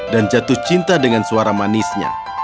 dan jatuh cinta dengan suara manisnya